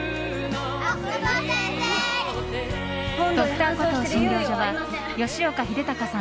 「Ｄｒ．コトー診療所」は吉岡秀隆さん